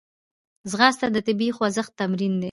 ځغاسته د طبیعي خوځښت تمرین دی